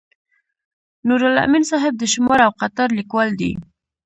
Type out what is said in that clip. نورالامین صاحب د شمار او قطار لیکوال دی.